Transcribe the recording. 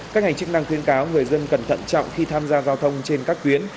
các ngành chức năng khuyên cáo người dân cẩn thận trọng khi tham gia giao thông trên các tuyến